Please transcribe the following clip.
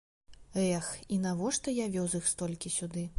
Эх, і навошта я вёз іх столькі сюды?